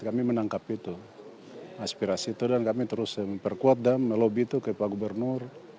kami menangkap itu aspirasi itu dan kami terus memperkuat dan melobi itu ke pak gubernur